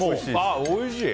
おいしい。